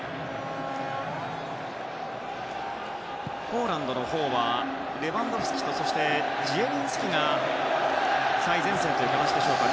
ポーランドのほうはレバンドフスキとジエリンスキが最前線という形でしょうか。